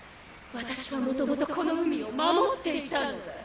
私は元々この海を守っていたのだ。